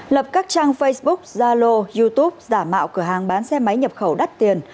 lập các trang facebook zalo youtube giả mạo cửa hàng bán xe máy nhập khẩu đắt tiền